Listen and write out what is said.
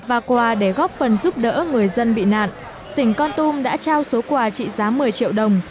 và quà để góp phần giúp đỡ người dân bị nạn tỉnh con tum đã trao số quà trị giá một mươi triệu đồng